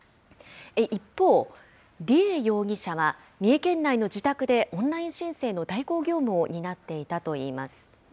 一方、梨恵容疑者は、三重県内の自宅で、オンライン申請の代行業務を担っていたといいます。